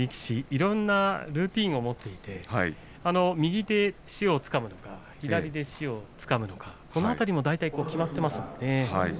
いろんなルーティンを持っていて右で塩をつかむとか左で塩をつかむとかこの辺りも大体決まっていますよね。